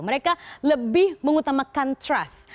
mereka lebih mengutamakan trust